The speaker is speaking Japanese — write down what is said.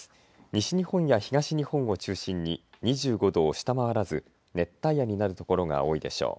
西日本や東日本を中心に２５度を下回らず熱帯夜になる所が多いでしょう。